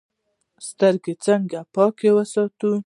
سترګې څنګه پاکې وساتو؟